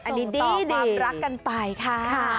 ส่งต่อความรักกันไปค่ะ